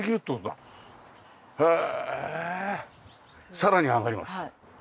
さらに上がります。